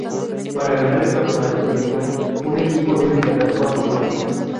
Para ganar el campeonato de liga, un equipo debe ganar cuatro partidos.